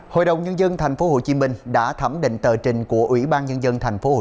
hội đồng nhân dân thành phố hồ chí minh đã thẩm định tờ trình của ủy ban nhân dân thành phố hồ